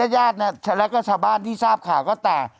ญาติแล้วก็ชาวบ้านที่ทราบข่าวก็แต่